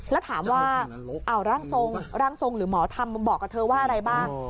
แล้วถามว่าร่างทรงร่างทรงหรือหมอธรรมบอกกับเธอว่าอะไรบ้าง